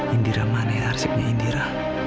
indira mana yang arsipnya indira